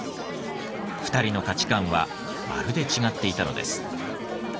２人の価値観はまるで違っていたのです。